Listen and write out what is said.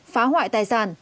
phá hoại tài sản